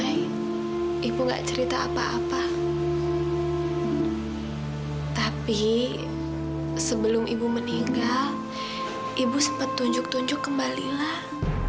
ibu sempat tunjuk tunjuk kembalilah